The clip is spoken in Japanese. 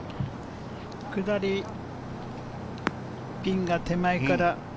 下り、ピンが手前から。